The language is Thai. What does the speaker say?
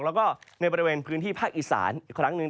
แล้วก็ในบริเวณพื้นที่ภาคอีสานอีกครั้งหนึ่ง